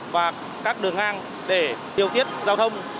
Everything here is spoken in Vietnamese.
và các đường ngang để điều kiết giao thông